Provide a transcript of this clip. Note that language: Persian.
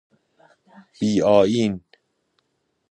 بی آئین